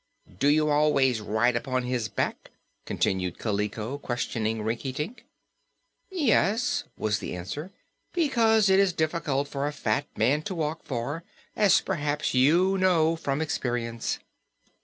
"Do you always ride upon his back?" continued Kaliko, questioning Rinkitink. "Yes," was the answer, "because it is difficult for a fat man to walk far, as perhaps you know from experience.